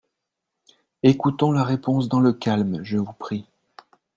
Écoutons la réponse dans le calme, je vous prie.